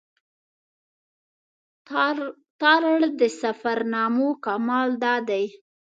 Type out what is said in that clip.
تارړ د سفرنامو کمال دا دی.